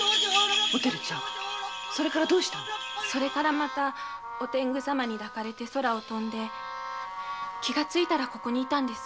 またお天狗様に抱かれ空を飛んで気がついたらここに居たんです。